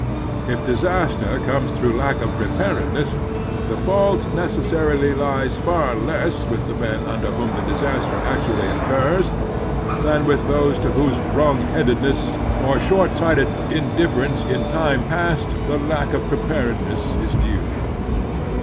If dis aster comes through lack of preparedness, the fault necessarily lies far less with the men under whom the disaster actually occurs than with those to whose wrong headedness or short sighted indif ference in time past the lack of preparedness is due.